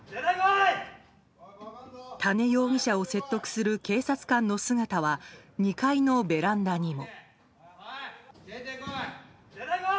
多禰容疑者を説得する警察官の姿は２階のベランダにも。